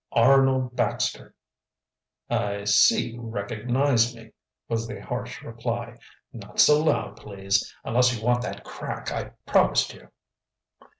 "Arnold Baxter!" "I see you recognize me," was the harsh reply. "Not so loud, please, unless you want that crack I promised you."